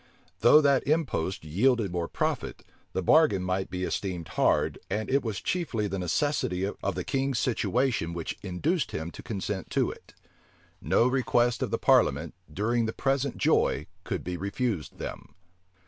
Though that impost yielded more profit, the bargain might be esteemed hard; and it was chiefly the necessity of the king's situation which induced him to consent to it. No request of the parliament, during the present joy, could be refused them.